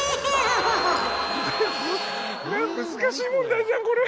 難しい問題じゃんこれ！